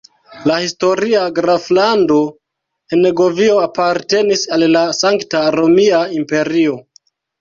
La historia graflando Henegovio apartenis al la Sankta Romia Imperio.